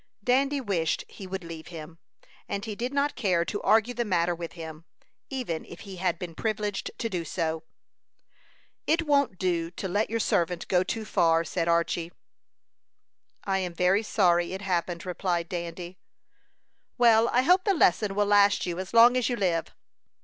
Dandy wished he would leave him, and he did not care to argue the matter with him, even if he had been privileged to do so. "It won't do to let your servant go too far," said Archy. "I am very sorry it happened," replied Dandy. "Well, I hope the lesson will last you as long as you live."